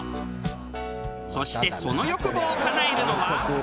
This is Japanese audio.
そしてその欲望を叶えるのは。